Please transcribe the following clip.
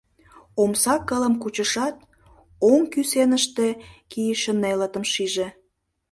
Омса кылым кучышат, оҥ кӱсеныште кийыше нелытым шиже.